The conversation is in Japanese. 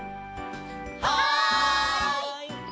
はい！